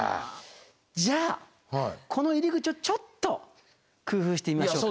じゃあこの入り口をちょっと工夫してみましょう。